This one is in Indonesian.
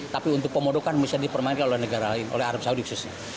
tapi untuk pemundokan mesti dipermainkan oleh negara lain oleh arab saudi khususnya